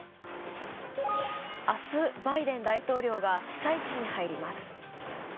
明日、バイデン大統領が被災地に入ります。